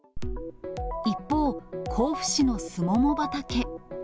一方、甲府市のスモモ畑。